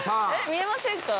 見えませんか？